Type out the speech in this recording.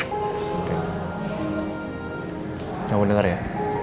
kamu denger ya